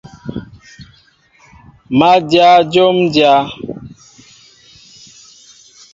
Má dyă jǒm dyá.